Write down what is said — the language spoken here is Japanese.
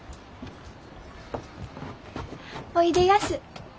おいでやす。